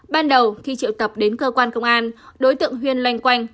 ban đầu khi triệu tập đến cơ quan công an đối tượng huyên lanh quanh